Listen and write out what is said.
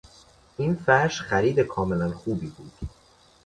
این فرش خرید کاملا خوبی بود.